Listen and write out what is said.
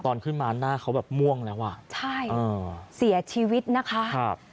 ตอนขึ้นมาหน้าเขาแบบม่วงแล้วอ่ะใช่เสียชีวิตนะคะครับ